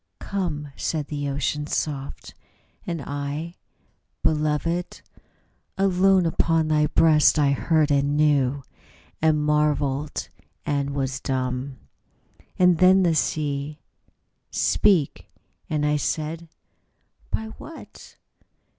''" Come," said the Ocean, soft; and I, "Beloved, Alone upon thy breast I heard and knew And marvelled and was dumb. '' And then the sea : "Speak!" And I said, "By what?"